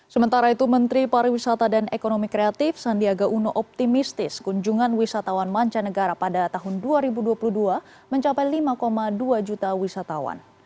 sementara itu menteri pariwisata dan ekonomi kreatif sandiaga uno optimistis kunjungan wisatawan mancanegara pada tahun dua ribu dua puluh dua mencapai lima dua juta wisatawan